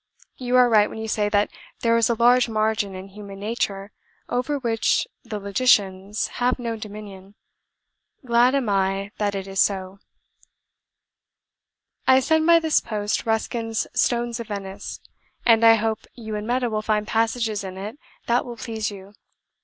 You are right when you say that there is a large margin in human nature over which the logicians have no dominion; glad am I that it is so. [*] "Bend," in Yorkshire, is strong ox leather. "I send by this post Ruskin's 'Stones of Venice,' and I hope you and Meta will find passages in it that will please you.